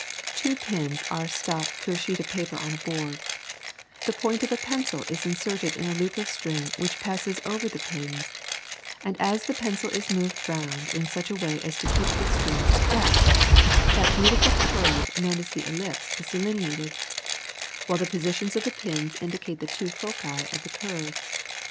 Two pins are stuck through a sheet of paper on a board, the point of a pencil is inserted in a loop of string which passes over the pins, and as the pencil is moved round in such a way as to keep the string stretched, that beautiful curve known as the ellipse is delineated, while the positions of the pins indicate the two foci of the curve.